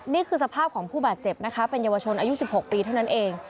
นี่คือสภาพของผู้บาดเจ็บนะคะเป็นเยาวชนอายุ๑๖ปีเท่านั้นเอง